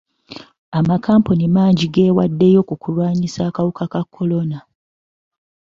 Amakampuni mangi gewaddeyo ku kulwanyisa akawuka ka kolona.